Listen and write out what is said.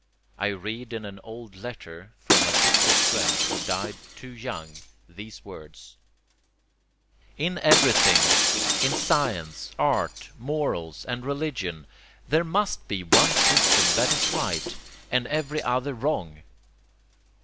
I read in an old letter from a gifted friend who died too young these words: "In everything, in science, art, morals and religion, there MUST be one system that is right and EVERY other wrong."